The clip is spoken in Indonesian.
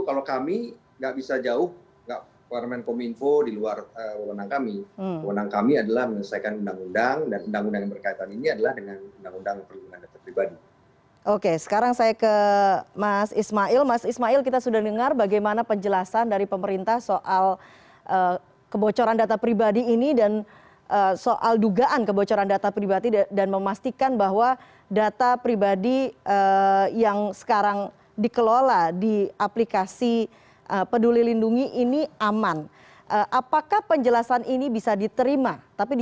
kalau kami tidak bisa jauh ke warna warna kominfo di luar warung undang kami